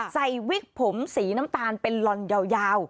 วิกผมสีน้ำตาลเป็นลอนยาว